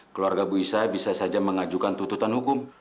keluarga ibu isah bisa saja mengajukan tututan hukum